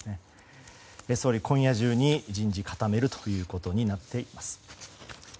総理、今夜中に人事固めるということになっています。